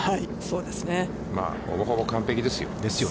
まあほぼほぼ完璧ですよ。